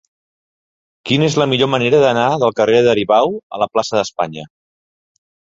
Quina és la millor manera d'anar del carrer d'Aribau a la plaça d'Espanya?